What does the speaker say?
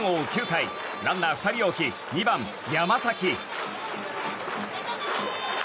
９回ランナー２人を置き２番、山崎。